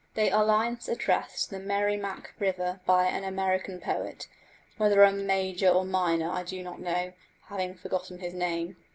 They are lines addressed to the Merrimac River by an American poet whether a major or minor I do not know, having forgotten his name.